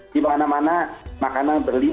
di mana mana makanan berli